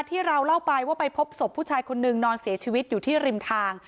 ที่เราเล่าไปว่าไปพบศพผู้ชายคนนึงนอนเสียชีวิตอยู่ที่ริมทาง